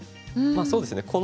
まあそうですね。